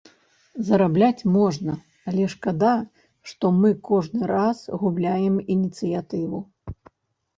Зарабляць можна, але шкада, што мы кожны раз губляем ініцыятыву.